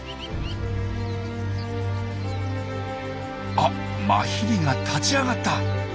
あマヒリが立ち上がった！